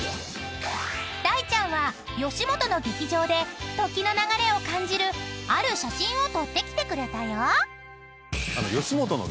［大ちゃんは吉本の劇場で時の流れを感じるある写真を撮ってきてくれたよ］